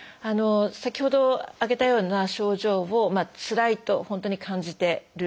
先ほど挙げたような症状をつらいと本当に感じてる方。